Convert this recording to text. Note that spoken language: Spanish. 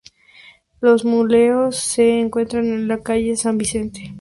Los mausoleos se encuentran en la calle San Vicente.